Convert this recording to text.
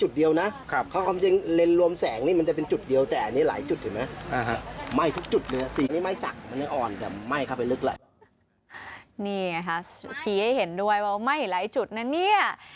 นี่ไงค่ะชี้ให้เห็นด้วยว่าไหม้หลายจุดนะเนี่ย